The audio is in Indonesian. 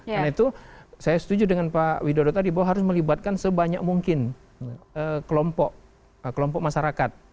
karena itu saya setuju dengan pak widodo tadi bahwa harus melibatkan sebanyak mungkin kelompok masyarakat